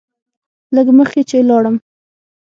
لږ مخکې چې لاړم.